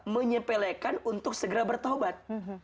menyepelekan untuk segera bertobat